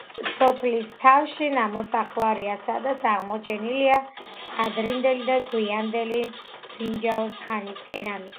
სოფლის თავში ნამოსახლარია, სადაც აღმოჩენილია ადრინდელი და გვიანდელი ბრინჯაოს ხანის კერამიკა.